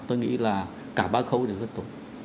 tôi nghĩ là cả ba khâu thì rất tốt